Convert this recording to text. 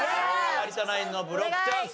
有田ナインのブロックチャンス。